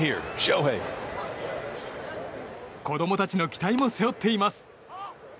子供たちの期待も背負っています。